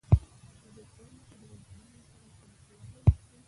زده کوونکي د امتحان لپاره چمتووالی نیسي.